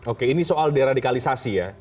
oke ini soal deradikalisasi ya